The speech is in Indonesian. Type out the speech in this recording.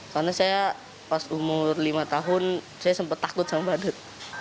karena saya pas umur lima tahun saya sempat takut sama badut